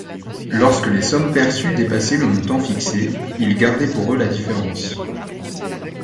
Lorsque les sommes perçues dépassaient le montant fixé, ils gardaient pour eux la différence.